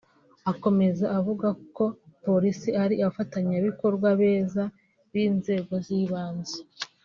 Akomeza avuga ko Polisi ari abafatanyabikorwa beza b’inzego z’ibanze